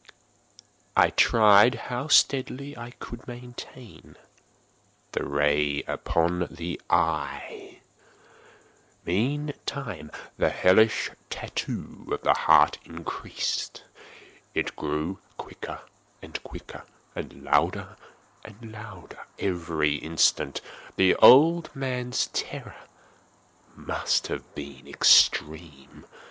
I tried how steadily I could maintain the ray upon the eve. Meantime the hellish tattoo of the heart increased. It grew quicker and quicker, and louder and louder every instant. The old man's terror must have been extreme!